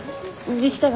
自治体は？